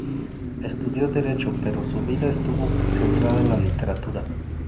Estudió Derecho, pero su vida estuvo centrada en la Literatura.